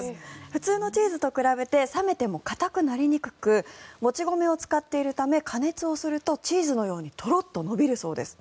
普通のチーズと比べて冷めても固くなりにくくもち米を使っているため加熱をするとチーズのようにトロッと伸びるそうです。